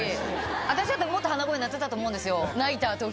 私だったらもっと鼻声になってたと思うんですよ。